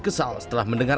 kesal setelah mendengar